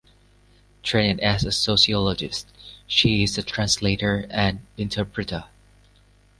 Trained as a sociologist, she is a translator and interpreter.